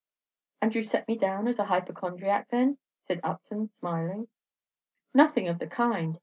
"And you set me down as a hypochondriac, then," said Upton, smiling. "Nothing of the kind!